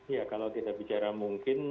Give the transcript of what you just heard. ya kalau kita bicara mungkin